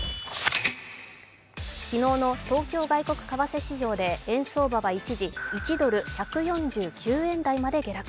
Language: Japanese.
昨日の東京外国為替市場で円相場は一時１ドル＝１４９円台まで下落。